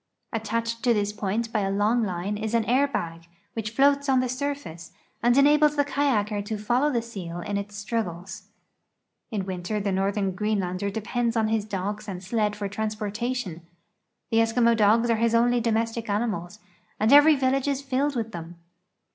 Attached to this point b3' a long line is an air bag, which floats on the surface, and enables the ka3^aker to follow the seal in its struggles. In Avinter the northern Greenlander depends on his dogs and sled for transportation. The Eskimo dogs are his only domestic animals, and every village is filled with tliem.